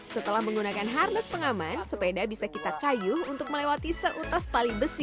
setelah menggunakan harness pengaman sepeda bisa kita kayu untuk melewati seutas pali besi